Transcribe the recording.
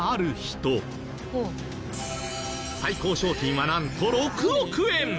最高賞金はなんと６億円！